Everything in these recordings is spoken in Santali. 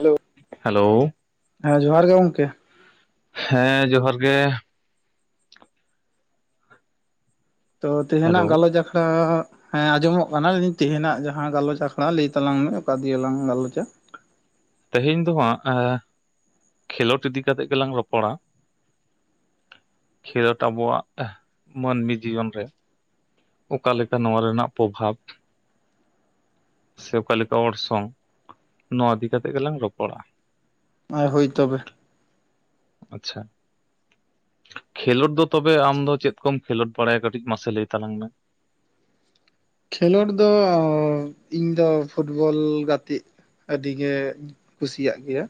ᱦᱮᱞᱳ ᱦᱮᱞᱳ ᱦᱮᱸ ᱡᱚᱦᱟᱨ ᱜᱮ ᱜᱚᱝᱠᱮ ᱦᱮᱸ ᱡᱚᱦᱟᱨ ᱜᱮ ᱛᱚ ᱦᱮᱞᱳ ᱛᱮᱦᱮᱧᱟᱜ ᱜᱟᱞᱚᱪ ᱟᱠᱷᱲᱟ ᱦᱮᱸ ᱟᱸᱡᱚᱢᱚᱜ ᱠᱟᱱᱟ ᱛᱮᱦᱮᱧᱱᱟᱜ ᱡᱟᱦᱟᱸ ᱜᱟᱞᱚᱪ ᱟᱠᱷᱲᱟ ᱞᱟᱹᱭ ᱛᱟᱞᱟᱝ ᱢᱮ ᱚᱠᱟ ᱫᱤᱭᱮ ᱞᱟᱝ ᱜᱟᱞᱚᱪᱟ ᱛᱮᱦᱮᱧ ᱫᱚ ᱦᱟᱸᱜ ᱠᱷᱮᱞᱳᱰ ᱤᱫᱤ ᱠᱟᱛᱮᱜ ᱜᱮᱞᱟᱝ ᱨᱚᱯᱚᱲᱟ ᱠᱷᱮᱞᱳᱰ ᱟᱵᱚᱣᱟᱜ ᱢᱟᱹᱱᱢᱤ ᱡᱤᱭᱚᱱ ᱨᱮ ᱚᱠᱟ ᱞᱮᱠᱟ ᱱᱚᱣᱟ ᱨᱮᱱᱟᱜ ᱯᱨᱚᱵᱷᱟᱵᱽ ᱥᱮ ᱚᱠᱟᱞᱮᱠᱟ ᱚᱨᱥᱚᱝ ᱱᱚᱣᱟ ᱤᱫᱤᱠᱟ ᱠᱟᱛᱮ ᱜᱮᱞᱟᱝ ᱨᱚᱯᱚᱲᱟ ᱟᱨ ᱦᱳᱭ ᱛᱚᱵᱮ ᱟᱪᱪᱷᱟ ᱠᱷᱮᱞᱳᱰ ᱫᱚ ᱛᱚᱵᱮ ᱟᱢ ᱫᱚ ᱪᱮᱫ ᱠᱚᱢ ᱠᱷᱮᱞᱳᱰ ᱵᱟᱲᱟᱭᱟ ᱠᱟᱹᱴᱤᱡ ᱢᱟᱥᱮ ᱞᱟᱹᱭ ᱛᱟᱞᱟᱝ ᱢᱮ ᱠᱷᱮᱞᱳᱰ ᱫᱚ ᱤᱧ ᱫᱚ ᱯᱷᱩᱴᱵᱚᱞ ᱜᱟᱛᱮᱜ ᱟᱹᱰᱤᱜᱮ ᱠᱩᱥᱤᱭᱟᱜ ᱜᱮᱭᱟ᱾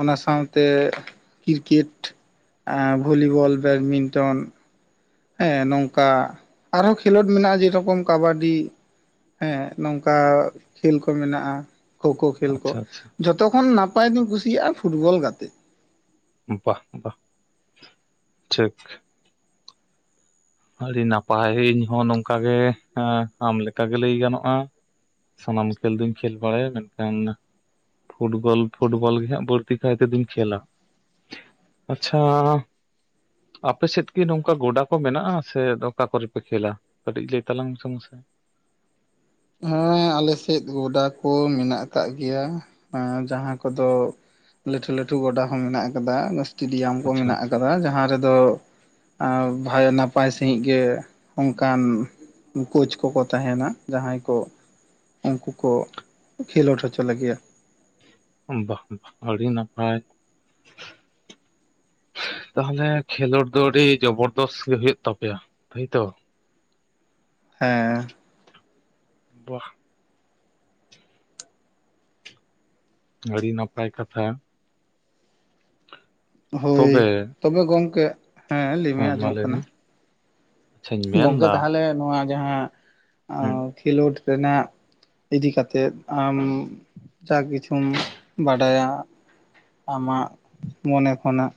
ᱚᱱᱟ ᱥᱟᱶᱛᱮ ᱠᱨᱤᱠᱮᱴ ᱵᱷᱚᱞᱤᱵᱚᱞ ᱵᱮᱰᱢᱤᱱᱴᱚᱱ ᱦᱮᱸ ᱱᱚᱝᱠᱟ ᱟᱨᱦᱚᱸ ᱠᱷᱮᱞᱳᱰ ᱢᱮᱱᱟᱜᱼᱟ ᱡᱮᱨᱚᱠᱚᱢ ᱠᱟᱵᱟᱰᱤ ᱦᱮᱸ ᱱᱚᱝᱠᱟ ᱠᱷᱮᱞ ᱠᱚ ᱢᱮᱱᱟᱜᱼᱟ᱾ ᱠᱷᱳ ᱠᱷᱳ ᱠᱷᱮᱞ ᱠᱚ ᱟᱪᱪᱷᱟ ᱟᱪᱪᱷᱟ ᱡᱷᱚᱛᱚ ᱠᱷᱚᱱ ᱱᱟᱯᱟᱭ ᱫᱩᱧ ᱠᱩᱥᱤᱭᱟᱜᱼᱟ ᱯᱷᱩᱴᱵᱚᱞ ᱜᱟᱛᱮᱜ ᱵᱟ ᱵᱟ ᱴᱷᱤᱠ ᱟᱹᱰᱤ ᱱᱟᱯᱟᱭ ᱤᱧ ᱦᱚᱸ ᱱᱚᱝᱠᱟ ᱜᱮ ᱟᱢ ᱞᱮᱠᱟ ᱜᱮᱮ ᱞᱟᱹᱭ ᱜᱟᱱᱚᱜᱼᱟ᱾ ᱥᱟᱱᱟᱢ ᱠᱷᱮᱞ ᱫᱚᱧ ᱠᱷᱮᱞ ᱵᱟᱲᱟᱭᱟ ᱢᱮᱱᱠᱷᱟᱱ ᱯᱷᱩᱴᱵᱚᱞ ᱯᱷᱩᱴᱵᱚᱞ ᱜᱮ ᱦᱟᱸᱜ ᱵᱟᱹᱲᱛᱤ ᱠᱟᱭᱛᱮ ᱫᱤᱱ ᱠᱷᱮᱞᱟ᱾ ᱟᱪᱪᱷᱟ ᱟᱯᱮ ᱥᱮᱫ ᱠᱤ ᱱᱚᱝᱠᱟ ᱜᱚᱰᱟ ᱠᱚ ᱢᱮᱱᱟᱜᱼᱟ ᱥᱮ ᱚᱠᱟ ᱠᱚᱨᱮ ᱯᱮ ᱠᱷᱮᱞᱟ ᱠᱟᱹᱴᱤᱡ ᱞᱟᱹᱭ ᱛᱟᱞᱟᱝ ᱢᱮᱥᱮ ᱢᱟᱥᱮ ᱦᱮᱸ ᱟᱞᱮᱥᱮᱫ ᱜᱚᱰᱟ ᱠᱚ ᱢᱮᱱᱟᱜ ᱟᱠᱟᱫ ᱜᱮᱭᱟ ᱡᱟᱦᱟᱸ ᱠᱚᱫᱚ ᱞᱟᱹᱴᱩ ᱞᱟᱹᱴᱩ ᱜᱚᱰᱟ ᱦᱚᱸ ᱢᱮᱱᱟᱜ ᱟᱠᱟᱫᱟ ᱮᱥᱴᱮᱰᱤᱭᱟᱢ ᱠᱚ ᱟᱪᱪᱷᱟ ᱢᱮᱱᱟᱜ ᱟᱠᱟᱫᱟ ᱡᱟᱦᱟᱸ ᱨᱮᱫᱚ ᱵᱷᱟᱭ ᱱᱟᱯᱟᱭ ᱥᱟᱺᱦᱤᱡ ᱜᱮ ᱚᱱᱠᱟᱱ ᱠᱳᱪ ᱠᱚᱠᱚ ᱛᱟᱦᱮᱱᱟ ᱡᱟᱦᱟᱸᱭ ᱠᱚ ᱩᱱᱠᱩ ᱠᱚ ᱠᱷᱮᱞᱳᱰ ᱦᱚᱪᱚ ᱞᱟᱹᱜᱤᱫᱭᱟ ᱵᱟ ᱵᱟ ᱟᱹᱰᱤ ᱱᱟᱯᱟᱭ ᱛᱟᱦᱚᱞᱮ ᱠᱷᱮᱞᱳᱰ ᱫᱚ ᱟᱹᱰᱤ ᱡᱚᱵᱚᱨᱫᱚᱥ ᱜᱮ ᱦᱩᱭᱩᱜ ᱛᱟᱯᱮᱭᱟ ᱛᱟᱭᱛᱚ [inaudible] ᱦᱮᱸ ᱵᱟ ᱟᱹᱰᱤ ᱱᱟᱯᱟᱭ ᱠᱟᱛᱷᱟ ᱦᱳᱭ ᱛᱚᱵᱮ ᱛᱚᱵᱮ ᱜᱚᱝᱠᱮ ᱦᱮᱸ ᱞᱟᱹᱭᱢᱮ ᱢᱟ ᱟᱸᱡᱚᱢᱚᱜ ᱞᱟᱹᱭ ᱠᱟᱱᱟ᱾ ᱢᱮ ᱟᱪᱪᱷᱟᱧ ᱜᱚᱝᱠᱮ ᱢᱮᱱᱫᱟ ᱛᱟᱦᱚᱞᱮ ᱱᱚᱣᱟ ᱡᱟᱦᱟᱸ ᱦᱮᱸ ᱠᱷᱮᱞᱳᱰ ᱨᱮᱱᱟᱜ ᱤᱫᱤ ᱠᱟ ᱠᱟᱛᱮᱫ ᱟᱢ ᱡᱟ ᱠᱤᱪᱷᱩᱢ ᱵᱟᱰᱟᱭᱟ ᱟᱢᱟᱜ ᱢᱚᱱᱮ ᱠᱷᱚᱱᱟᱜ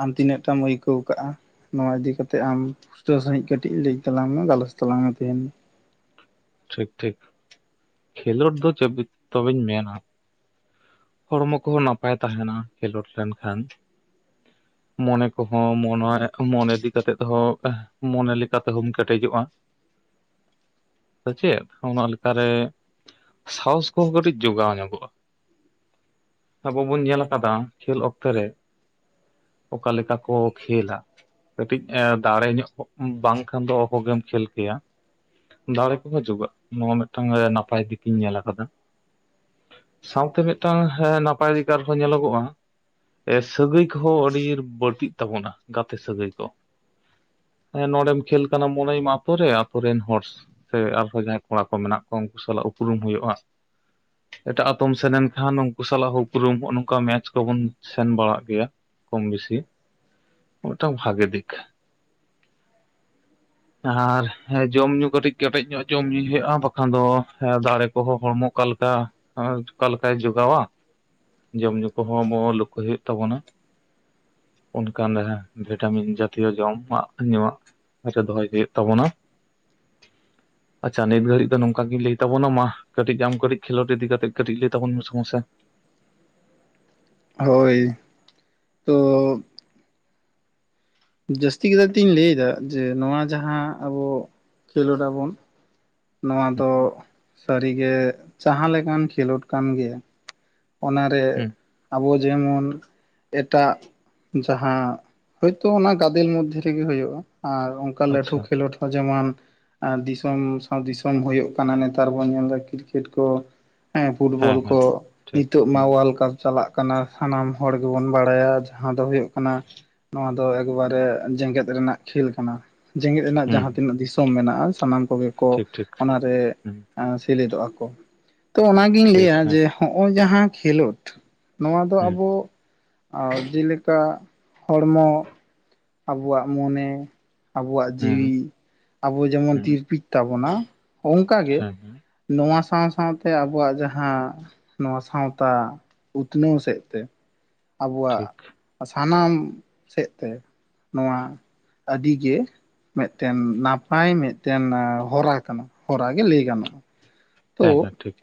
ᱟᱢ ᱛᱤᱱᱟᱹᱜ ᱴᱟᱢ ᱟᱹᱭᱠᱟᱹᱣ ᱠᱟᱜᱼᱟ ᱱᱚᱣᱟ ᱤᱫᱤ ᱠᱟᱛᱮᱜ ᱟᱢ ᱯᱩᱥᱴᱟᱹᱣ ᱥᱟᱹᱦᱤᱡ ᱠᱟᱹᱴᱤᱡ ᱞᱟᱹᱭ ᱛᱟᱞᱟᱝ ᱢᱮ ᱜᱟᱞᱚᱪ ᱛᱟᱞᱟᱝ ᱢᱮ ᱛᱮᱦᱮᱱ ᱴᱷᱤᱠ ᱴᱷᱤᱠ ᱠᱷᱮᱞᱳᱰ ᱫᱚ ᱪᱮᱫ ᱛᱚᱵᱮᱧ ᱢᱮᱱᱟ ᱦᱚᱲᱢᱚ ᱠᱚᱦᱚᱸ ᱱᱟᱯᱟᱭ ᱛᱟᱦᱮᱱᱟ ᱠᱷᱮᱞᱳᱰ ᱞᱮᱱᱠᱷᱟᱱ ᱢᱚᱱᱮ ᱠᱚᱦᱚᱸ ᱢᱚᱱ ᱢᱚᱱᱮ ᱤᱫᱤ ᱠᱟᱛᱮᱜ ᱦᱚᱸ ᱢᱚᱱᱮ ᱞᱮᱠᱟ ᱛᱮᱦᱚᱢ ᱠᱮᱴᱮᱡᱚᱜᱼᱟ [inaudible] ᱥᱮ ᱪᱮᱫ ᱚᱱᱟ ᱞᱮᱠᱟᱨᱮ ᱥᱟᱦᱚᱥ ᱠᱚᱦᱚᱸ ᱠᱟᱹᱴᱤᱡ ᱡᱚᱜᱟᱣ ᱧᱚᱜᱚᱜᱼᱟ ᱟᱵᱚ ᱵᱚᱱ ᱧᱮᱞ ᱟᱠᱟᱫᱟ ᱠᱷᱮᱞ ᱚᱠᱛᱮ ᱨᱮ ᱚᱠᱟ ᱞᱮᱠᱟ ᱠᱚ ᱠᱷᱮᱞᱟ ᱠᱟᱹᱴᱤᱡ ᱫᱟᱲᱮ ᱧᱚᱜ ᱵᱟᱝ ᱠᱷᱟᱱ ᱫᱚ ᱚᱦᱚᱜᱮᱢ ᱠᱷᱮᱞ ᱠᱮᱭᱟ᱾ ᱫᱟᱲᱮ ᱠᱚᱦᱚ ᱡᱚᱜᱟᱜ ᱱᱚᱣᱟ ᱢᱤᱫᱴᱟᱝ ᱱᱟᱯᱟᱭ ᱫᱤᱠ ᱤᱧ ᱧᱮᱞ ᱟᱠᱟᱫᱟ᱾ ᱥᱟᱶᱛᱮ ᱢᱤᱫᱴᱟᱝ ᱱᱟᱯᱟᱭ ᱫᱤᱠᱟᱨ ᱦᱚᱸ ᱧᱮᱞᱚᱜᱚᱜᱼᱟ ᱥᱟᱹᱜᱟᱹᱭ ᱠᱚᱦᱚᱸ ᱟᱹᱰᱤ ᱵᱟᱹᱲᱛᱤᱜ ᱛᱟᱵᱚᱱᱟ ᱜᱟᱛᱮ ᱥᱟᱹᱜᱟᱹᱭ ᱠᱚ ᱱᱚᱰᱮᱢ ᱠᱷᱮᱞ ᱠᱟᱱᱟ ᱢᱚᱱᱮᱭᱟᱢ ᱟᱛᱳ ᱟᱛᱳ ᱨᱮᱱ ᱦᱚᱲ ᱥᱮ ᱟᱨᱦᱚᱸ ᱡᱟᱦᱟᱸᱭ ᱠᱚᱲᱟ ᱠᱚ ᱢᱮᱱᱟᱜ ᱠᱚᱣᱟ ᱩᱱᱠᱩ ᱥᱟᱞᱟᱜ ᱩᱯᱨᱩᱢ ᱦᱩᱭᱩᱜᱼᱟ ᱮᱴᱟᱜ ᱟᱛᱚᱢ ᱥᱮᱱ ᱮᱱ ᱡᱟᱦᱟᱸ ᱱᱩᱱᱠᱩ ᱥᱟᱞᱟᱜ ᱦᱚᱸ ᱩᱯᱨᱩᱢ ᱦᱚᱸᱜᱼᱚ ᱱᱚᱝᱠᱟ ᱢᱮᱪ ᱠᱚᱵᱚᱱ ᱥᱮᱱ ᱵᱟᱲᱟᱜ ᱜᱮᱭᱟ ᱠᱚᱢ ᱵᱮᱥᱤ ᱢᱤᱫᱴᱟᱝ ᱵᱷᱟᱜᱮ ᱫᱤᱠ ᱟᱨ ᱡᱚᱢ ᱧᱩ ᱠᱟᱹᱴᱤᱡ ᱠᱮᱴᱮᱡ ᱧᱚᱜ ᱡᱚᱢ ᱧᱩᱭ ᱦᱩᱭᱩᱜᱼᱟ ᱵᱟᱠᱷᱟᱱ ᱫᱚ ᱫᱟᱲᱮ ᱠᱚᱦᱚᱸ ᱦᱚᱲᱢᱚ ᱚᱠᱟ ᱞᱮᱠᱟ ᱚᱠᱟ ᱞᱮᱠᱟᱭ ᱡᱚᱜᱟᱣᱟ ᱡᱚᱢ ᱧᱩ ᱠᱚᱦᱚᱸ ᱟᱵᱚ ᱞᱚᱠᱠᱷ ᱦᱩᱭᱩᱜ ᱛᱟᱵᱚᱱᱟ᱾ ᱚᱱᱠᱟᱱ ᱨᱮ ᱵᱷᱤᱴᱟᱢᱤᱱ ᱡᱟᱛᱤᱭᱚ ᱡᱚᱢᱟᱜ ᱧᱩᱣᱟᱜ ᱫᱚᱦᱚᱭ ᱦᱩᱭᱩᱜ ᱛᱟᱵᱚᱱᱟ᱾ ᱟᱪᱪᱷᱟ ᱱᱤᱛ ᱜᱷᱟᱹᱲᱤᱡ ᱫᱚ ᱱᱚᱝᱠᱟ ᱜᱤ ᱞᱟᱹᱭ ᱛᱟᱵᱚᱱᱟ ᱢᱟ ᱠᱟᱹᱴᱤᱡ ᱟᱢ ᱠᱟᱹᱴᱤᱡ ᱠᱷᱮᱞᱳᱰ ᱤᱫᱤ ᱠᱟᱛᱮᱜ ᱠᱟᱹᱴᱤᱡ ᱞᱟᱹᱭ ᱛᱟᱵᱚᱱ ᱢᱮ ᱢᱟᱥᱮ ᱦᱳᱭ ᱛᱚ ᱡᱟᱹᱥᱛᱤ ᱠᱟᱭ ᱛᱤᱧ ᱞᱟᱹᱭ ᱮᱫᱟ ᱡᱮ ᱱᱚᱣᱟ ᱡᱟᱦᱟᱸ ᱟᱵᱚ ᱠᱷᱮᱞᱳᱰ ᱟᱵᱚᱱ ᱱᱚᱣᱟ ᱫᱚ ᱥᱟᱹᱨᱤᱜᱮ ᱡᱟᱦᱟᱸ ᱞᱮᱠᱟᱱ ᱠᱷᱮᱞᱳᱰ ᱠᱟᱱ ᱜᱮ ᱚᱱᱟᱨᱮ ᱦᱩᱸ ᱟᱵᱚ ᱡᱮᱢᱚᱱ ᱮᱴᱟᱜ ᱡᱟᱦᱟᱸ ᱦᱳᱭᱛᱳ ᱚᱱᱟ ᱜᱟᱫᱮᱞ ᱢᱚᱫᱽᱫᱷᱮ ᱨᱮᱜᱮ ᱦᱩᱭᱩᱜᱳᱼᱟ ᱟᱨ ᱚᱠᱟ ᱞᱟᱹᱴᱩ ᱟᱪᱪᱷᱟ ᱠᱷᱮᱞᱳᱰ ᱦᱚᱸ ᱡᱮᱢᱚᱱ ᱟᱨ ᱫᱤᱥᱚᱢ ᱥᱟᱶ ᱫᱤᱥᱚᱢ ᱦᱳᱭᱳᱜ ᱠᱟᱱᱟ ᱱᱮᱛᱟᱨ ᱵᱚᱱ ᱧᱮᱞ ᱮᱫᱟ ᱠᱨᱤᱠᱮᱴ ᱠᱚ ᱦᱮᱸ ᱯᱷᱩᱴᱵᱚᱞ ᱦᱮᱸ ᱠᱚ ᱴᱷᱤᱠ ᱱᱤᱛᱚᱜ ᱢᱟ ᱦᱩᱸ ᱣᱟᱨᱞᱰ ᱠᱟᱯ ᱪᱟᱞᱟᱜ ᱠᱟᱱᱟ ᱥᱟᱱᱟᱢ ᱦᱚᱲ ᱜᱮᱵᱚᱱ ᱵᱟᱲᱟᱭᱟ ᱡᱟᱦᱟᱸ ᱫᱚ ᱦᱩᱭᱩᱜ ᱠᱟᱱᱟ ᱱᱚᱣᱟ ᱫᱚ ᱮᱠᱵᱟᱨᱮ ᱡᱮᱜᱮᱛ ᱨᱮᱱᱟᱜ ᱠᱷᱮᱞ ᱠᱟᱱᱟ᱾ ᱡᱮᱜᱮᱛ ᱨᱮᱱᱟᱜ ᱦᱩᱸ ᱡᱟᱦᱟᱸ ᱛᱤᱱᱟᱹᱜ ᱫᱤᱥᱚᱢ ᱢᱮᱱᱟᱜᱼᱟ, ᱥᱟᱱᱟᱢ ᱠᱚᱜᱮ ᱠᱚ ᱴᱷᱤᱠ ᱴᱷᱤᱠ ᱚᱱᱟᱨᱮ ᱦᱩᱸ ᱥᱮᱞᱮᱫᱚᱜᱼᱟ ᱠᱚ᱾ ᱛᱚ ᱚᱱᱟᱜᱤᱧ ᱴᱷᱤᱠ ᱞᱟᱹᱭᱟ ᱦᱮᱸ ᱡᱮ ᱦᱚᱜᱼᱚᱭ ᱡᱟᱦᱟᱸ ᱠᱷᱮᱞᱳᱰ ᱱᱚᱣᱟ ᱫᱚ ᱦᱩᱸ ᱟᱵᱚ ᱡᱮᱞᱮᱠᱟ ᱦᱚᱲᱢᱚ ᱟᱵᱚᱣᱟᱜ ᱢᱚᱱᱮ ᱟᱵᱚᱣᱟᱜ ᱦᱩᱸ ᱡᱤᱣᱤ, ᱟᱵᱚ ᱡᱮᱢᱚᱱ ᱦᱩᱸ ᱛᱤᱨᱯᱤᱡ ᱛᱟᱵᱚᱱᱟ ᱚᱱᱠᱟᱜᱮ ᱦᱮᱸ ᱦᱮᱸ ᱱᱚᱣᱟ ᱥᱟᱶ ᱥᱟᱶᱛᱮ ᱟᱵᱚᱣᱟᱜ ᱡᱟᱦᱟᱸ ᱱᱚᱣᱟ ᱥᱟᱶᱛᱟ ᱩᱛᱱᱟᱹᱣ ᱥᱮᱫ ᱛᱮ ᱟᱵᱚᱣᱟᱜ ᱴᱷᱤᱠ ᱥᱟᱱᱟᱢ ᱥᱮᱫ ᱛᱮ ᱱᱚᱣᱟ ᱟᱹᱰᱤᱜᱮ ᱢᱤᱫᱴᱮᱱ ᱱᱟᱯᱟᱭ ᱢᱤᱫᱴᱮᱱ ᱦᱚᱨᱟ ᱠᱟᱱᱟ, ᱦᱚᱨᱟ ᱜᱮ ᱞᱟᱹᱭ ᱜᱟᱱᱚᱜᱼᱟ᱾ ᱦᱮᱸ ᱛᱚ ᱦᱮᱸ ᱴᱷᱤᱠ᱾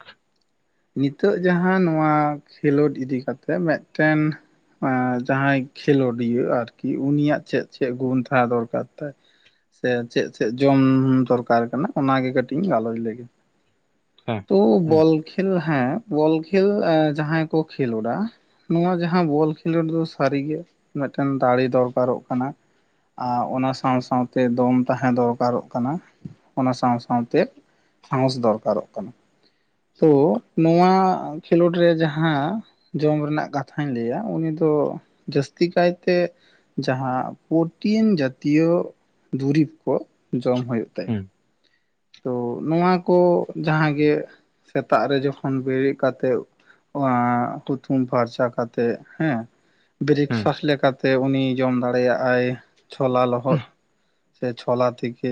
ᱱᱤᱛᱚᱜ ᱡᱟᱦᱟᱸ ᱱᱚᱣᱟ ᱠᱷᱮᱞᱳᱰ ᱤᱫᱤ ᱠᱟᱛᱮᱜ ᱢᱤᱫᱴᱮᱱ ᱮ ᱡᱟᱦᱟᱸᱭ ᱠᱷᱮᱞᱳᱰᱤᱭᱟᱹ ᱟᱨᱠᱤ ᱩᱱᱤᱭᱟᱜ ᱪᱮᱫ ᱪᱮᱫ ᱜᱩᱱ ᱛᱟᱦᱮᱸ ᱫᱚᱨᱠᱟᱨ ᱛᱟᱭ ᱥᱮ ᱪᱮᱫ ᱪᱮᱫ ᱡᱚᱢ ᱫᱚᱨᱠᱟᱨ ᱠᱟᱱᱟ ᱚᱱᱟᱜᱮ ᱠᱟᱹᱴᱤᱡ ᱤᱧ ᱜᱟᱞᱚᱪ ᱞᱮᱜᱮ ᱦᱮᱸ ᱛᱚ ᱦᱩᱸ ᱵᱚᱞ ᱠᱷᱮᱞ ᱦᱮᱸ ᱵᱚᱞ ᱠᱷᱮᱞ ᱡᱟᱦᱟᱸᱭ ᱠᱚ ᱠᱷᱮᱞᱳᱰᱟ ᱱᱚᱣᱟ ᱡᱟᱦᱟᱸ ᱵᱚᱞ ᱠᱷᱮᱞᱳᱰ ᱫᱚ ᱥᱟᱹᱨᱤᱜᱮ ᱢᱤᱫᱴᱮᱱ ᱫᱟᱲᱮ ᱫᱚᱨᱠᱟᱨᱚᱜ ᱠᱟᱱᱟ᱾ ᱟᱨ ᱚᱱᱟ ᱥᱟᱶ ᱥᱟᱶᱛᱮ ᱫᱚᱢ ᱛᱟᱦᱮᱸ ᱫᱚᱨᱠᱟᱨᱚᱜ ᱠᱟᱱᱟ᱾ ᱚᱱᱟ ᱥᱟᱶ ᱥᱟᱶᱛᱮ ᱥᱟᱦᱚᱥ ᱫᱚᱨᱠᱟᱨᱚᱜ ᱠᱟᱱᱟ᱾ ᱛᱚ ᱱᱚᱣᱟ ᱠᱷᱮᱞᱳᱰ ᱨᱮ ᱡᱟᱦᱟᱸ ᱡᱚᱢ ᱨᱮᱱᱟᱜ ᱠᱟᱛᱷᱟᱧ ᱞᱟᱹᱭᱟ ᱩᱱᱤ ᱫᱚ ᱡᱟᱹᱥᱛᱤ ᱠᱟᱭᱛᱮ ᱡᱟᱦᱟᱸ ᱯᱨᱚᱴᱤᱱ ᱡᱟᱛᱤᱭᱚ ᱫᱩᱨᱤᱵᱽ ᱠᱚ ᱡᱚᱢ ᱦᱩᱭᱳᱜ ᱛᱟᱭᱟ᱾ ᱦᱮᱸ ᱛᱚ ᱱᱚᱣᱟ ᱠᱚ ᱡᱟᱦᱟᱸᱜᱮ ᱥᱮᱛᱟᱜ ᱨᱮ ᱡᱚᱠᱷᱚᱱ ᱵᱮᱨᱮᱫ ᱠᱟᱛᱮᱫ ᱦᱩᱛᱩᱢ ᱯᱷᱟᱨᱪᱟ ᱠᱟᱛᱮᱜ ᱦᱮᱸ ᱵᱨᱮᱠ ᱦᱩᱸ ᱯᱷᱟᱥᱴ ᱞᱮᱠᱟᱛᱮ ᱩᱱᱤ ᱡᱚᱢ ᱫᱟᱲᱮᱭᱟᱜᱼᱟᱭ ᱪᱷᱳᱞᱟ ᱞᱚᱦᱚᱫ ᱥᱮ ᱪᱷᱳᱞᱟ ᱛᱷᱮᱠᱮ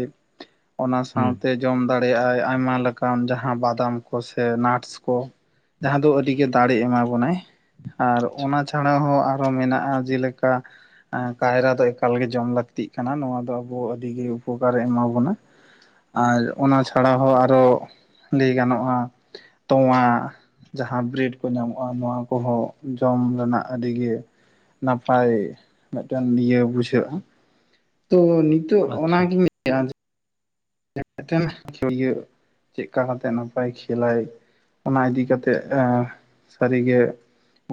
ᱚᱱᱟ ᱦᱩᱸ ᱥᱟᱶᱛᱮ ᱡᱚᱢ ᱫᱟᱲᱮᱭᱟᱜᱼᱟᱭ ᱟᱭᱢᱟ ᱞᱮᱠᱟᱱ ᱡᱟᱦᱟᱸ ᱵᱟᱫᱟᱢ ᱠᱚ ᱥᱮ ᱱᱟᱴᱥ ᱠᱚ ᱡᱟᱦᱟᱸ ᱫᱚ ᱟᱹᱰᱤᱜᱮ ᱫᱟᱲᱮ ᱮᱢᱟ ᱵᱚᱱᱟᱭ᱾ ᱟᱨ ᱟᱪᱪᱷᱟ ᱚᱱᱟ ᱪᱷᱟᱲᱟ ᱦᱚᱸ ᱟᱨᱚ ᱢᱮᱱᱟᱜᱼᱟ ᱡᱮᱞᱮᱠᱟ ᱠᱟᱭᱨᱟ ᱫᱚ ᱮᱠᱟᱞᱜᱮ ᱡᱚᱢ ᱞᱟᱹᱠᱛᱤᱜ ᱠᱟᱱᱟ ᱱᱚᱣᱟ ᱫᱚ ᱟᱵᱚ ᱟᱹᱰᱤᱜ ᱩᱯᱚᱠᱟᱨᱮ ᱮᱢᱟ ᱵᱚᱱᱟ᱾ ᱟᱨ ᱚᱱᱟ ᱪᱷᱟᱲᱟ ᱦᱚᱸ ᱟᱨᱚ ᱞᱟᱹᱭ ᱜᱟᱱᱚᱜᱼᱟ ᱛᱚᱣᱟ ᱡᱟᱦᱟᱸ ᱵᱨᱮᱰ ᱠᱚ ᱧᱟᱢᱚᱜᱼᱟ ᱱᱚᱣᱟ ᱠᱚᱦᱚᱸ ᱡᱚᱢ ᱨᱮᱱᱟᱜ ᱟᱹᱰᱤᱜᱮ ᱱᱟᱯᱟᱭ ᱢᱤᱫᱴᱮᱱ ᱤᱭᱟᱹ ᱵᱩᱡᱷᱟᱹᱜᱼᱟ᱾ ᱛᱚ ᱱᱤᱛᱚᱜ ᱟᱪᱪᱷᱟ ᱚᱱᱟᱜᱤᱧ ᱞᱟᱹᱭᱟ [unintelligible] ᱤᱭᱟᱹ ᱪᱮᱫ ᱠᱟ ᱠᱟᱛᱮᱫ ᱱᱟᱯᱟᱭ ᱠᱷᱮᱞᱟᱭ ᱚᱱᱟ ᱤᱫᱤ ᱠᱟᱛᱮᱜ ᱥᱟᱹᱨᱤᱜᱮ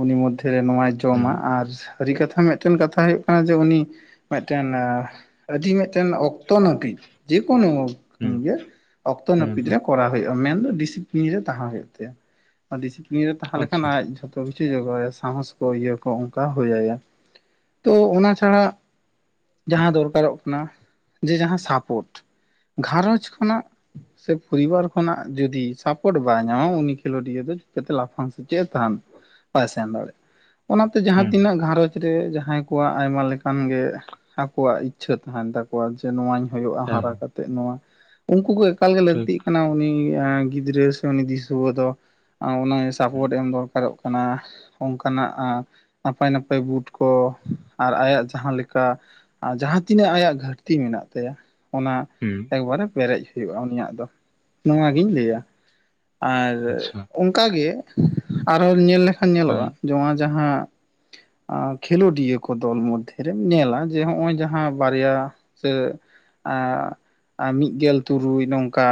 ᱩᱱᱤ ᱢᱚᱫᱽᱫᱷᱮᱨᱮ ᱱᱚᱣᱟ ᱡᱚᱢᱟ ᱦᱩᱸ ᱟᱨ ᱥᱟᱹᱨᱤ ᱠᱟᱛᱷᱟ ᱢᱤᱫᱴᱮᱱ ᱠᱟᱛᱷᱟ ᱦᱩᱭᱩᱜ ᱠᱟᱱᱟ ᱡᱮ ᱩᱱᱤ ᱢᱤᱫᱴᱮᱱ ᱟᱹᱰᱤ ᱢᱤᱫᱴᱮᱱ ᱚᱠᱛᱚ ᱱᱟᱹᱯᱤᱛ ᱡᱮᱠᱳᱱᱳ ᱦᱩᱸ ᱜᱮ ᱚᱠᱛᱚ ᱦᱩᱸ ᱱᱟᱹᱯᱤᱛ ᱨᱮ ᱦᱩᱸ ᱠᱚᱨᱟᱣ ᱦᱩᱭᱩᱜᱼᱟ ᱢᱮᱱᱫᱚ ᱰᱤᱥᱤᱯᱞᱤᱱ ᱨᱮ ᱛᱟᱦᱮᱸ ᱦᱩᱭᱩᱜ ᱛᱟᱭᱟ᱾ ᱰᱤᱥᱤᱯᱤᱞᱤᱱ ᱨᱮ ᱛᱟᱦᱮ ᱞᱮᱠᱷᱟᱱ ᱟᱪᱪᱷᱟ ᱟᱡ ᱡᱷᱚᱛᱚ ᱡᱚᱛᱚ ᱠᱤᱪᱩ ᱡᱚᱜᱟᱣᱟᱭᱟ ᱥᱟᱦᱚᱥ ᱠᱚ ᱤᱭᱟᱹ ᱠᱚ ᱚᱱᱠᱟ ᱦᱳᱭᱟᱭᱟ ᱛᱚ ᱚᱱᱟ ᱪᱷᱟᱲᱟ ᱡᱟᱦᱟᱸ ᱫᱚᱨᱠᱟᱨᱚᱜ ᱠᱟᱱᱟ ᱡᱮ ᱡᱟᱦᱟᱸ ᱥᱟᱯᱳᱴ ᱜᱷᱟᱨᱚᱸᱡᱽ ᱠᱷᱚᱱᱟᱜ ᱥᱮ ᱯᱚᱨᱤᱵᱟᱨ ᱠᱷᱚᱱᱟᱜ ᱡᱚᱫᱤ ᱥᱟᱯᱳᱨᱴ ᱵᱟᱭ ᱧᱟᱢᱟ ᱩᱱᱤ ᱠᱷᱮᱞᱳᱰᱤᱭᱟᱹ ᱫᱚ ᱪᱤᱠᱟᱹᱛᱮ ᱞᱟᱯᱷᱟᱝ ᱥᱮᱪᱮᱫ ᱮ ᱛᱟᱦᱮᱱ ᱵᱟᱭ ᱥᱮᱱ ᱫᱟᱲᱮᱜ ᱚᱱᱟᱛᱮ ᱡᱟᱦᱟᱸ ᱦᱩᱸ ᱛᱤᱱᱟᱹᱜ ᱜᱷᱟᱨᱚᱧᱡᱽ ᱨᱮ ᱡᱟᱦᱟᱸᱭ ᱠᱚᱣᱟᱜ ᱟᱭᱢᱟ ᱞᱮᱠᱟᱱ ᱜᱮ ᱟᱠᱚᱣᱟᱜ ᱤᱪᱪᱷᱟᱹ ᱛᱟᱦᱮᱱ ᱛᱟᱠᱚᱣᱟ ᱱᱚᱣᱟ ᱦᱩᱭᱩᱜᱼᱟ ᱦᱮᱸ ᱦᱟᱨᱟ ᱦᱮᱸ ᱠᱟᱛᱮ ᱱᱚᱣᱟ ᱩᱱᱠᱩ ᱠᱚ ᱮᱠᱟᱞᱜᱮ ᱞᱟᱹᱠᱛᱤᱜ ᱴᱷᱤᱠ ᱠᱟᱱᱟ ᱩᱱᱤ ᱜᱤᱫᱽᱨᱟᱹ ᱥᱮ ᱩᱱᱤ ᱫᱤᱥᱩᱣᱟᱹ ᱫᱚ ᱦᱩᱸ ᱥᱟᱯᱳᱨᱴ ᱮᱢ ᱫᱚᱨᱠᱟᱨᱚᱜ ᱠᱟᱱᱟ᱾ ᱚᱱᱠᱟᱱᱟᱜ ᱱᱟᱯᱟᱭ ᱱᱟᱯᱟᱭ ᱵᱩᱴ ᱠᱚ ᱟᱨ ᱟᱭᱟᱜ ᱡᱟᱦᱟᱸ ᱞᱮᱠᱟ ᱟᱨ ᱡᱟᱦᱟᱸ ᱛᱤᱱᱟᱹᱜ ᱟᱭᱟᱜ ᱜᱷᱟᱹᱴᱛᱤ ᱢᱮᱱᱟᱜ ᱛᱟᱭᱟ ᱚᱱᱟ ᱮᱠᱵᱟᱨᱮ ᱯᱮᱨᱮᱡ ᱦᱩᱭᱩᱜᱼᱟ ᱩᱱᱤᱭᱟᱜ ᱫᱚ ᱱᱚᱣᱟᱜᱤᱧ ᱞᱟᱹᱭᱟ᱾ ᱟᱨ ᱟᱪᱪᱷᱟ ᱚᱱᱠᱟᱜᱮ ᱟᱨᱚ ᱧᱮᱞ ᱞᱮᱠᱷᱟᱱ ᱧᱮᱞᱚᱜᱼᱟ ᱦᱮᱸ ᱡᱮ ᱚᱱᱟ ᱡᱟᱦᱟᱸ ᱠᱷᱮᱞᱳᱰᱤᱭᱟᱹ ᱠᱚ ᱫᱚᱞ ᱢᱚᱫᱽᱫᱷᱮ ᱨᱮᱢ ᱧᱮᱞᱟ ᱡᱮ ᱱᱚᱜᱼᱚᱭ ᱡᱟᱦᱟᱸ ᱵᱟᱨᱭᱟ ᱥᱮ ᱟᱸᱻ ᱟ ᱢᱤᱫ ᱜᱮᱞ ᱛᱩᱨᱩᱭ ᱱᱚᱝᱠᱟ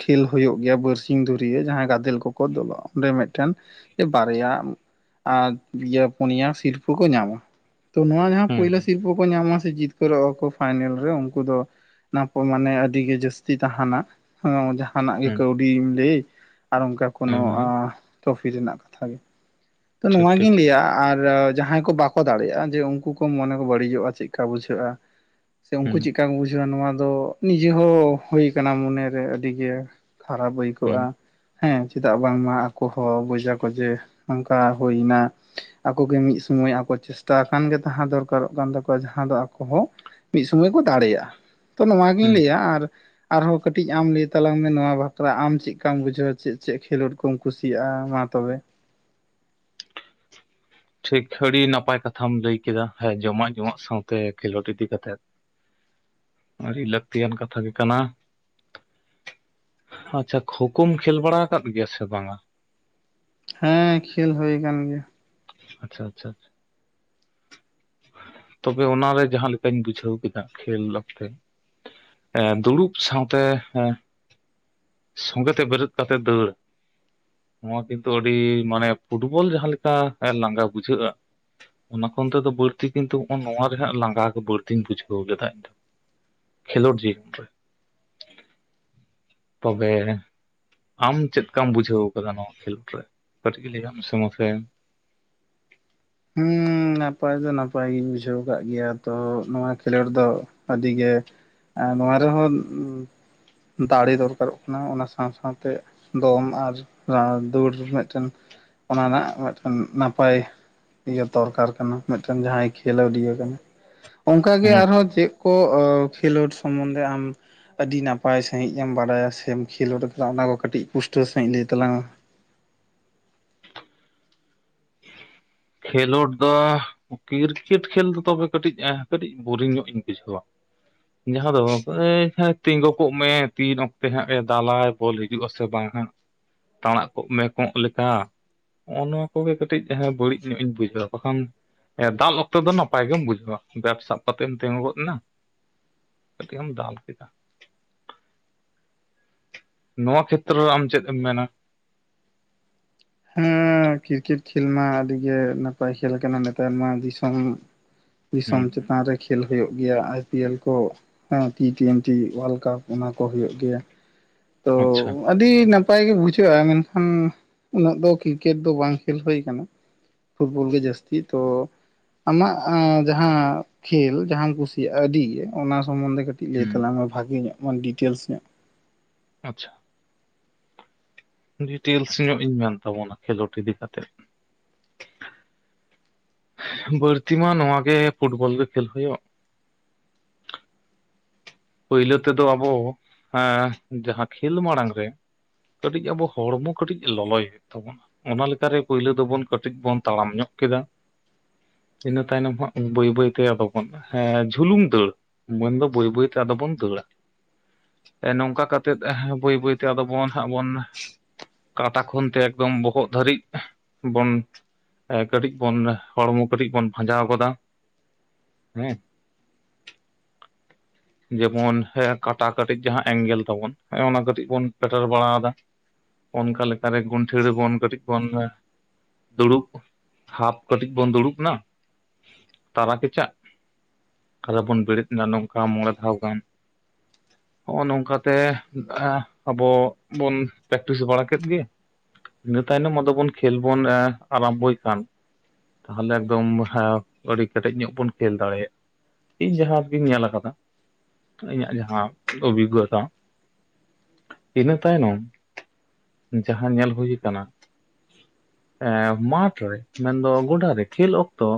ᱠᱷᱮᱞ ᱦᱩᱭᱩᱜ ᱜᱮᱭᱟ ᱵᱟᱨᱥᱤᱧ ᱫᱷᱩᱨᱭᱟᱹ ᱡᱟᱦᱟᱸᱭ ᱜᱟᱫᱮᱞ ᱠᱚᱠᱚ ᱫᱚᱞᱚᱜᱼᱟ ᱚᱸᱰᱮ ᱢᱮᱫᱴᱮᱱ ᱵᱟᱨᱭᱟ ᱟᱨ ᱯᱤᱭᱟᱹ ᱯᱩᱱᱭᱟ ᱥᱤᱨᱯᱟᱹ ᱠᱚ ᱧᱟᱢᱟ᱾ ᱛᱚ ᱱᱚᱶᱟ ᱡᱟᱦᱟᱸ ᱦᱮᱸ ᱯᱳᱭᱞᱳ ᱥᱤᱨᱯᱚ ᱠᱚ ᱧᱟᱢᱟ ᱥᱮ ᱡᱤᱛᱠᱟᱹᱨᱚᱜᱼᱟ ᱠᱚ ᱯᱷᱟᱭᱱᱮᱞ ᱨᱮ ᱩᱱᱠᱩ ᱫᱚ ᱱᱟᱯᱚᱭ ᱢᱟᱱᱮ ᱟᱹᱰᱤ ᱜᱮ ᱡᱟᱹᱥᱛᱤ ᱛᱟᱦᱮᱱᱟ ᱡᱟᱦᱟᱱᱟᱜ ᱜᱮ ᱦᱮᱸ ᱠᱟᱹᱣᱰᱤᱢ ᱞᱟᱹᱭᱟ ᱟᱨ ᱚᱱᱠᱟ ᱠᱳᱱᱚ ᱦᱮᱸ ᱦᱮᱸ ᱴᱨᱚᱯᱷᱤ ᱨᱮᱱᱟᱜ ᱠᱟᱛᱷᱟ ᱜᱮ ᱛᱚ ᱴᱷᱤᱠ ᱴᱷᱤᱠ ᱱᱚᱶᱟᱜᱤᱧ ᱞᱟᱹᱭᱟ ᱟᱨ ᱡᱟᱦᱟᱸ ᱵᱟᱠᱚ ᱫᱟᱲᱮᱭᱟᱜᱼᱟ, ᱡᱮ ᱩᱱᱠᱩ ᱠᱚ ᱢᱚᱱᱮ ᱠᱚ ᱵᱟᱹᱲᱤᱡᱚᱜᱼᱟ ᱪᱮᱫᱠᱟ ᱵᱩᱡᱷᱟᱹᱜᱼᱟ᱾ ᱥᱮ ᱩᱱᱠᱩ ᱦᱩᱸ ᱪᱮᱫᱠᱟ ᱠᱚ ᱵᱩᱡᱷᱟᱹᱣᱟ ᱱᱚᱣᱟ ᱫᱚ ᱱᱤᱡᱮ ᱦᱚᱸ ᱦᱩᱭ ᱟᱠᱟᱱᱟ ᱢᱚᱱᱮᱨᱮ ᱟᱹᱰᱤᱜᱮ ᱠᱷᱟᱨᱟᱯ ᱦᱩᱸ ᱟᱹᱭᱠᱟᱹᱜᱼᱟ᱾ ᱦᱮᱸ ᱪᱮᱫᱟᱜ ᱵᱟᱝᱢᱟ ᱟᱠᱚ ᱦᱚᱸ ᱵᱩᱡᱟᱠᱚ ᱡᱮ ᱱᱚᱱᱠᱟ ᱦᱩᱭᱱᱟ᱾ ᱟᱠᱚᱜᱮ ᱢᱤᱫ ᱥᱚᱢᱚᱭ ᱟᱠᱚ ᱪᱮᱥᱴᱟ ᱟᱠᱟᱱ ᱜᱮ ᱛᱟᱦᱮᱸ ᱫᱚᱨᱠᱟᱨᱚᱜ ᱠᱟᱱ ᱛᱟᱠᱚᱣᱟ, ᱡᱟᱦᱟᱸ ᱫᱚ ᱟᱠᱚ ᱦᱚᱸ ᱢᱤᱫ ᱥᱚᱢᱚᱭ ᱠᱚ ᱫᱟᱲᱮᱭᱟᱜᱼᱟ᱾ ᱛᱚ ᱱᱚᱣᱟᱜᱤᱧ ᱦᱩᱸ ᱞᱟᱹᱭᱟ ᱟᱨ ᱟᱨᱦᱚᱸ ᱠᱟᱹᱴᱤᱡ ᱟᱢ ᱞᱟᱹᱭ ᱛᱟᱞᱟᱝ ᱢᱮ ᱱᱚᱣᱟ ᱵᱟᱠᱷᱨᱟ᱾ ᱟᱢ ᱪᱮᱫ ᱞᱮᱠᱟᱢ ᱵᱩᱡᱷᱟᱹᱣᱟ ᱪᱮᱫ ᱪᱮᱫ ᱠᱷᱮᱞᱳᱰ ᱠᱚᱢ ᱠᱩᱥᱤᱭᱟᱜᱼᱟ? ᱢᱟ ᱛᱚᱵᱮ ᱴᱷᱤᱠ ᱟᱹᱰᱤ ᱱᱟᱯᱟᱭ ᱠᱟᱛᱷᱟᱢ ᱞᱟᱹᱭ ᱠᱮᱫᱟ, ᱦᱮᱸ ᱡᱚᱢᱟᱜ ᱡᱚᱢᱟᱜ ᱥᱟᱶᱛᱮ ᱠᱷᱮᱞᱳᱰ ᱤᱫᱤ ᱠᱟᱛᱮᱜ ᱟᱹᱰᱤ ᱞᱟᱹᱠᱛᱤᱭᱟᱱ ᱠᱟᱛᱷᱟ ᱜᱮ ᱠᱟᱱᱟ᱾ ᱟᱪᱪᱷᱟ ᱠᱷᱳᱠᱷᱳᱢ ᱠᱷᱮᱹᱞ ᱵᱟᱲᱟ ᱟᱠᱟᱫ ᱜᱮᱭᱟ ᱥᱮ ᱵᱟᱝ ᱟ? ᱦᱮᱸ ᱠᱷᱮᱞ ᱦᱩᱭ ᱟᱠᱟᱱ ᱜᱮᱭᱟ ᱟᱪᱪᱷᱟ ᱟᱪᱪᱷᱟ ᱟᱪᱪᱷᱟ ᱛᱚᱵᱮ ᱚᱱᱟᱨᱮ ᱡᱟᱦᱟᱸ ᱞᱮᱠᱟᱧ ᱵᱩᱡᱷᱟᱹᱣ ᱠᱮᱫᱟ ᱠᱷᱮᱹᱞ ᱚᱠᱛᱮ ᱫᱩᱲᱩᱵ ᱥᱟᱶᱛᱮ ᱥᱚᱸᱜᱮ ᱛᱮ ᱵᱮᱨᱮᱫ ᱠᱟᱛᱮᱫ ᱫᱟᱹᱲ ᱱᱚᱣᱟ ᱠᱤᱱᱛᱩ ᱟᱹᱰᱤ ᱢᱟᱱᱮ ᱯᱷᱩᱴᱵᱚᱞ ᱡᱟᱦᱟᱸ ᱞᱮᱠᱟ ᱞᱟᱸᱜᱟ ᱵᱩᱡᱷᱟᱹᱜ-ᱟ ᱚᱱᱟ ᱠᱷᱚᱱ ᱛᱮᱫᱚ ᱵᱟᱹᱲᱛᱤ ᱠᱤᱱᱛᱩ ᱱᱚᱣᱟ ᱨᱮᱭᱟᱜ ᱞᱟᱸᱜᱟ ᱜᱮ ᱵᱟᱹᱲᱛᱤᱧ ᱵᱩᱡᱷᱟᱹᱣ ᱞᱮᱫᱟ ᱤᱧ ᱫᱚ ᱠᱷᱮᱞᱳᱰ ᱡᱤᱭᱚᱱ ᱨᱮ, ᱛᱚᱵᱮ ᱟᱢ ᱪᱮᱫ ᱞᱮᱠᱟᱢ ᱵᱩᱡᱷᱟᱹᱣ ᱟᱠᱟᱫᱟ ᱱᱚᱣᱟ ᱠᱷᱮᱞᱳᱰ ᱨᱮ? ᱠᱟᱹᱴᱤᱡ ᱜᱮ ᱞᱟᱹᱭ ᱢᱮᱥᱮ ᱢᱟᱥᱮ ᱦᱩᱸᱻ ᱱᱟᱯᱟᱭ ᱫᱚ ᱱᱟᱯᱟᱭ ᱜᱤᱧ ᱵᱩᱡᱷᱟᱹᱣ ᱟᱠᱟᱫ ᱜᱮᱭᱟ ᱛᱚ ᱱᱚᱣᱟ ᱠᱷᱮᱞᱳᱰ ᱫᱚ ᱟᱹᱰᱤ ᱜᱮ ᱱᱚᱣᱟ ᱨᱮᱦᱚᱸ ᱫᱟᱲᱮ ᱫᱚᱨᱠᱟᱨᱚᱜ ᱠᱟᱱᱟ ᱚᱱᱟ ᱥᱟᱶ ᱥᱟᱶᱛᱮ ᱫᱚᱢ ᱟᱨ ᱫᱟᱹᱲ ᱢᱤᱫᱴᱮᱱ ᱚᱱᱟ ᱨᱮᱱᱟᱜ ᱢᱤᱫᱴᱮᱱ ᱱᱟᱯᱟᱭ ᱤᱭᱟᱹ ᱫᱚᱨᱠᱟᱨ ᱠᱟᱱᱟ ᱢᱤᱫᱴᱮᱱ ᱡᱟᱦᱟᱸᱭ ᱠᱷᱮᱞᱳᱰᱤᱭᱟᱹ ᱠᱟᱱᱟ ᱚᱱᱠᱟᱟᱜ ᱜᱮ ᱦᱩᱸ ᱟᱨᱦᱚᱸ ᱪᱮᱫ ᱠᱚ ᱚ ᱠᱷᱮᱞᱳᱰ ᱥᱚᱢᱵᱚᱱᱫᱮ ᱟᱢ ᱟᱹᱰᱤ ᱱᱟᱯᱟᱭ ᱥᱟᱹᱦᱤᱡ ᱮᱢ ᱵᱟᱰᱟᱭᱟ ᱥᱮᱢ ᱠᱷᱮᱞᱳᱰ ᱟᱠᱟᱫᱟ ᱚᱱᱟ ᱠᱚ ᱠᱟᱹᱴᱤᱡ ᱯᱩᱥᱴᱟᱹᱣ ᱥᱟᱹᱦᱤᱡ ᱞᱟᱹᱭ ᱛᱟᱞᱟᱝ ᱢᱮ ᱠᱷᱮᱞᱳᱰ ᱫᱚ ᱠᱨᱤᱠᱮᱴ ᱠᱷᱮᱞ ᱫᱚ ᱛᱚᱵᱮ ᱠᱟᱹᱴᱤᱡ ᱟᱸ ᱠᱟᱹᱴᱤᱡ ᱵᱳᱨᱤᱝ ᱧᱚᱜ ᱤᱧ ᱵᱩᱡᱷᱟᱹᱣᱟ ᱡᱟᱦᱟᱸ ᱫᱚ [unintelligible] ᱛᱤᱸᱜᱩ ᱠᱚᱜ ᱢᱮ ᱛᱤᱱ ᱚᱠᱛᱮ ᱦᱟᱸᱜ ᱮ ᱫᱟᱞᱟᱭ ᱵᱚᱞ ᱦᱤᱡᱩᱜ ᱟᱥᱮ ᱵᱟᱝ ᱦᱟᱸᱜ ᱛᱟᱲᱟᱜ ᱠᱚᱜ ᱢᱮ ᱠᱚᱜ ᱞᱮᱠᱟ ᱱᱚᱜ-ᱚ ᱱᱚᱣᱟ ᱩᱱᱜᱮ ᱠᱟᱹᱴᱤᱡ ᱡᱟᱦᱟᱸ ᱵᱟᱹᱲᱤᱡ ᱧᱚᱜ ᱤᱧ ᱵᱩᱡᱷᱟᱹᱭᱟ ᱵᱟᱠᱷᱟᱱ ᱫᱟᱞ ᱚᱠᱛᱮ ᱫᱚ ᱱᱟᱯᱟᱭ ᱜᱮᱢ ᱵᱩᱡᱷᱟᱹᱣᱟ ᱵᱮᱵᱽ ᱥᱟᱵ ᱠᱟᱛᱮᱢ ᱛᱤᱸᱜᱩ ᱜᱚᱫ ᱮᱱᱟ ᱠᱟᱹᱴᱤᱡ ᱮᱢ ᱫᱟᱞ ᱠᱮᱫᱟ ᱱᱚᱣᱟ ᱠᱷᱮᱛᱨᱚ ᱨᱮ ᱟᱢ ᱪᱮᱫ ᱮᱢ ᱢᱮᱱᱟ ᱦᱮᱸ ᱠᱨᱤᱠᱮᱴ ᱠᱷᱮᱞ ᱢᱟ ᱟᱹᱰᱤ ᱜᱮ ᱱᱟᱯᱟᱭ ᱠᱷᱮᱞ ᱠᱟᱱᱟ ᱱᱮᱛᱟᱨ ᱢᱟ ᱫᱤᱥᱚᱢ [unintelligible] ᱫᱤᱥᱚᱢ ᱦᱩᱸ ᱪᱮᱛᱟᱱ ᱨᱮ ᱠᱷᱮᱞ ᱦᱩᱭᱩᱜ ᱜᱮᱭᱟ ᱟᱭᱯᱤᱭᱮᱞ ᱠᱚ ᱦᱮᱸ ᱴᱤ ᱴᱩᱭᱮᱱᱴᱤ ᱳᱣᱟᱨᱞᱟᱰ ᱠᱟᱯ ᱚᱱᱟ ᱠᱚ ᱦᱩᱭᱩᱜ ᱜᱮᱭᱟ ᱛᱚ ᱟᱪᱪᱷᱟ ᱟᱹᱰᱤ ᱱᱟᱯᱟᱭ ᱜᱮ ᱵᱩᱡᱷᱟᱹᱜ-ᱟ ᱢᱮᱱᱠᱷᱟᱱ ᱩᱱᱟᱹᱜ ᱫᱚ ᱠᱨᱤᱠᱮᱴ ᱫᱚ ᱵᱟᱝ ᱠᱷᱮᱞ ᱦᱩᱭ ᱟᱠᱟᱱᱟ ᱯᱷᱩᱴᱵᱚᱞ ᱜᱮ ᱡᱟᱹᱥᱛᱤ ᱛᱚ ᱟᱢᱟᱜ ᱡᱟᱦᱟᱸ ᱠᱷᱮᱞ ᱡᱟᱦᱟᱸᱟᱢ ᱠᱩᱥᱤᱭᱟᱜ-ᱟ ᱟᱹᱰᱤ ᱜᱮ ᱚᱱᱟ ᱥᱚᱢᱚᱱᱫᱷᱮ ᱠᱟᱹᱴᱤᱡ ᱦᱩᱸ [unintelligible] ᱢᱮ ᱵᱷᱟᱜᱮ ᱧᱚᱜ ᱢᱟᱱ ᱰᱤᱴᱮᱞᱥ ᱧᱚᱜ ᱟᱪᱪᱷᱟ ᱰᱤᱴᱮᱞᱥ ᱧᱚᱜ ᱤᱧ ᱢᱮᱱ ᱛᱟᱵᱚᱱᱟ ᱠᱷᱮᱞᱳᱰ ᱤᱫᱤ ᱠᱟ ᱠᱟᱛᱮᱜ ᱵᱟᱹᱲᱛᱤ ᱢᱟ ᱱᱚᱣᱟ ᱜᱮ ᱯᱷᱩᱴᱵᱚᱞ ᱜᱮ ᱠᱷᱮᱞ ᱦᱩᱭᱩᱜ ᱯᱳᱭᱞᱳ ᱛᱮᱫᱚ ᱟᱵᱚᱸ ᱟᱸ ᱡᱟᱦᱟᱸ ᱠᱷᱮᱞ ᱢᱟᱲᱟᱝ ᱨᱮ ᱠᱟᱹᱴᱤᱡ ᱟᱵᱚ ᱦᱚᱲᱢᱚ ᱠᱟᱹᱴᱤᱡ ᱞᱚᱞᱚᱭᱮᱫ ᱛᱟᱵᱚᱱᱟ ᱚᱱᱟ ᱞᱮᱠᱟᱨᱮ ᱯᱳᱭᱞᱳ ᱫᱚᱵᱚᱱ ᱠᱟᱹᱴᱤᱡ ᱵᱚᱱ ᱛᱟᱲᱟᱢ ᱧᱚᱜ ᱠᱮᱫᱟ ᱤᱱᱟᱹ ᱛᱟᱭᱱᱚᱢ ᱦᱟᱹᱜ ᱵᱟᱹᱭ ᱵᱟᱹᱭᱛᱮ ᱟᱫᱚ ᱵᱚᱱ ᱦᱟᱹᱜ ᱡᱷᱩᱞᱩᱝ ᱫᱟᱹᱲ ᱢᱮᱱᱫᱚ ᱵᱟᱹᱭ ᱵᱟᱹᱭᱛᱮ ᱟᱫᱚ ᱵᱚᱱ ᱫᱟᱹᱲᱟ ᱱᱚᱝᱠᱟ ᱠᱟᱛᱮᱜ ᱵᱟᱹᱭ ᱵᱟᱹᱭᱛᱮ ᱟᱫᱚ ᱵᱚᱱ ᱦᱟᱸᱜ ᱵᱚᱱ ᱠᱟᱴᱟ ᱠᱷᱚᱱ ᱛᱮ ᱮᱠᱫᱚᱢ ᱵᱚᱦᱚᱜ ᱫᱷᱟᱹᱨᱤᱡ ᱵᱚᱱ ᱠᱟᱹᱴᱤᱡ ᱵᱚᱱ ᱦᱚᱲᱢᱚ ᱠᱟᱹᱴᱤᱡ ᱵᱚᱱ ᱵᱷᱟᱡᱟᱣ ᱜᱚᱫᱟ ᱦᱮᱸ ᱡᱮᱢᱚᱱ ᱦᱮᱸ ᱠᱟᱴᱟ ᱠᱟᱹᱴᱤᱡ ᱡᱟᱦᱟᱸ ᱮᱸᱝᱜᱮᱞ ᱛᱟᱵᱚᱱ ᱦᱮᱸ ᱚᱱᱟ ᱠᱟᱹᱴᱤᱡ ᱵᱚᱱ ᱯᱮᱴᱮᱨ ᱵᱟᱲᱟᱫᱟ ᱚᱱᱠᱟ ᱞᱮᱠᱟᱨᱮ ᱜᱚᱱᱴᱷᱮᱲ ᱨᱮᱵᱚᱱ ᱠᱟᱹᱴᱤᱡ ᱵᱚᱱ ᱫᱩᱲᱩᱵ ᱦᱟᱯ ᱠᱟᱹᱴᱤᱡ ᱵᱚᱱ ᱫᱩᱲᱩᱵ ᱮᱱᱟ ᱛᱟᱨᱟ ᱠᱮᱪᱟᱜ ᱟᱫᱚ ᱵᱚᱱ ᱵᱮᱨᱮᱫ ᱮᱱᱟ ᱱᱚᱝᱠᱟ ᱢᱚᱬᱮ ᱫᱷᱟᱣ ᱜᱟᱱ ᱱᱚᱜ-ᱚᱭ ᱱᱚᱝᱠᱟᱛᱮ ᱟᱵᱚ ᱵᱚᱱ ᱯᱮᱠᱴᱤᱥ ᱵᱟᱲᱟ ᱠᱮᱫ ᱜᱮ ᱤᱱᱟᱹ ᱛᱟᱭᱱᱚᱢ ᱟᱫᱚ ᱵᱚᱱ ᱠᱷᱮᱞ ᱚ ᱵᱚᱱ ᱟᱨᱟᱢᱵᱚᱭ ᱠᱷᱟᱱ᱾ ᱛᱟᱦᱚᱞᱮ ᱮᱠᱫᱚᱢ ᱦᱟ ᱟᱹᱰᱤ ᱠᱮᱴᱮᱡ ᱧᱚᱜ ᱵᱚᱱ ᱠᱷᱮᱞ ᱫᱟᱲᱮᱭᱟᱜᱼᱼ ᱤᱧ ᱡᱟᱦᱟᱸ ᱜᱤᱧ ᱧᱮᱞ ᱟᱠᱟᱫᱟ᱾ ᱤᱧᱟᱹᱜ ᱡᱟᱦᱟᱸ ᱚᱵᱷᱤ ᱜᱚᱛᱟᱼᱼ ᱤᱱᱟᱹ ᱛᱟᱭᱱᱚᱢ ᱡᱟᱦᱟᱸ ᱧᱮᱞ ᱦᱩᱭ ᱠᱟᱱᱟ᱾ ᱮᱸ ᱢᱟᱴᱷ ᱨᱮ ᱢᱮᱱ ᱫᱚ ᱜᱚᱰᱟ ᱨᱮ ᱠᱷᱮᱞ ᱚᱠᱛᱚᱼᱼ